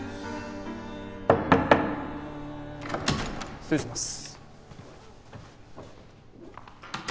失礼します。